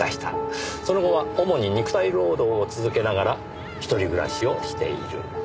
その後は主に肉体労働を続けながら一人暮らしをしている。